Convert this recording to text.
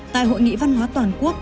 tại hội nghị văn hóa toàn quốc